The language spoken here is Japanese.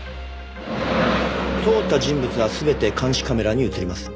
通った人物は全て監視カメラに映ります。